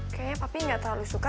kayaknya papi gak terlalu suka